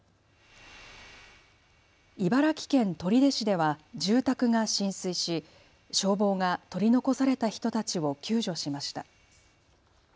茨城県取手市では住宅が浸水し消防が取り残された人たちを救助しました。